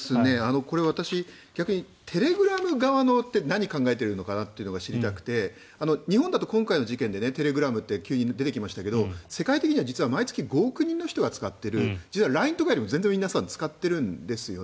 これは私逆にテレグラム側って何を考えているのかを知りたくて日本だと今回の事件でテレグラムって急に出てきましたが、世界的には毎月５億人の人が使っているＬＩＮＥとかよりも皆さん使ってるんですよね。